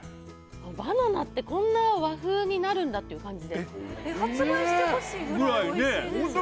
バナナってこんな和風になるんだっていう感じで発売してほしいぐらいおいしいです